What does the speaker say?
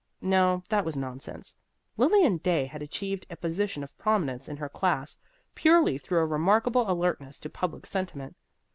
No, that was nonsense. Lilian Day had achieved a position of prominence in her class purely through a remarkable alertness to public sentiment.